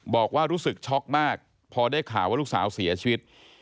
บอกว่ารู้สึกช็อกมากพอได้ข่าวว่าลูกสาวเสียชีวิต